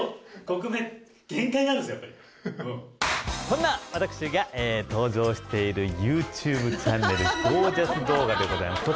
そんな私が登場しているＹｏｕＴｕｂｅチャンネル「ゴー☆ジャス動画」でございます。